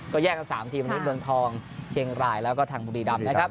ก็แยกกัน๓ทีมวันนี้เมืองทองเชียงรายแล้วก็ทางบุรีดำนะครับ